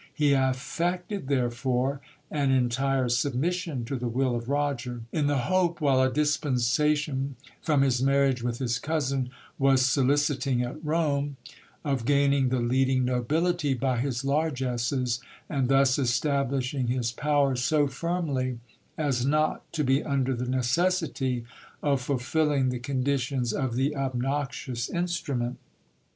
He affected therefore an entire submission to the will of Roger, in the hope, while a dispensation from his marriage with his cousin was soliciting at Rome, of gain ing the leading nobility by his largesses, and thus establishing his power so firmly, as not to be under the necessity of fulfilling the conditions of the obnoxious in strument.